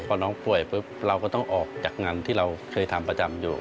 พอน้องป่วยปุ๊บเราก็ต้องออกจากงานที่เราเคยทำประจำอยู่